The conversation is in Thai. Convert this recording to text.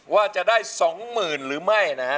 ว่าจะได้สองหมื่นหรือไม่นะฮะ